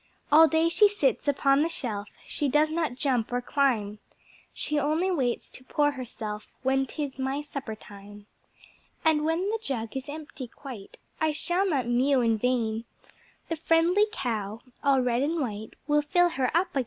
All day she sits upon the shelf, She does not jump or climb She only waits to pour herself When 'tis my supper time. And when the Jug is empty quite, I shall not mew in vain, The Friendly Cow, all red and white, Will fill her up again.